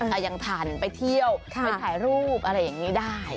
แต่ยังทันไปเที่ยวไปถ่ายรูปอะไรอย่างนี้ได้